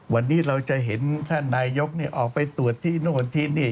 วันนี้เราจะเห็นท่านนายกออกไปตรวจที่โน่นที่นี่